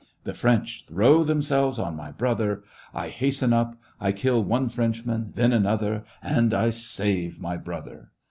The French throw themselves on my brother. I hasten up ; I kill one Frenchman, then another, and I save my brother.